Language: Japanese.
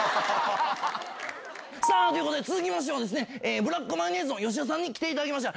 さあ、ということで、続きましてはですね、ブラックマヨネーズの吉田さんに来ていただきました。